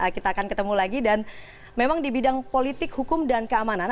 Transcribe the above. kita akan ketemu lagi dan memang di bidang politik hukum dan keamanan